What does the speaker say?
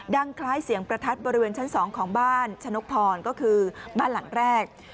ดังคล้ายเสียงประทัดบริเวณชั้น๒ของบ้านชะนกพรก็คือบ้านหลังแรก